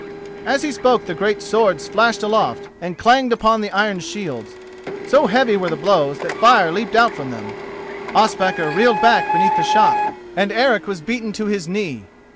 As he spoke the great swords flashed aloft and clanged upon the iron shields. So heavy were the blows that fire leapt out from them. Ospakar reeled back beneath the shock, and Eric was beaten to his knee.